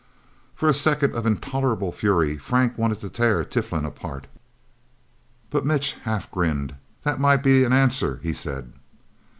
For a second of intolerable fury, Frank wanted to tear Tiflin apart. But Mitch half grinned. "That might be an answer," he said.